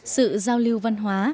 sự giao lưu văn hóa